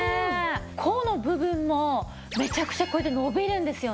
甲の部分もめちゃくちゃこうやって伸びるんですよね。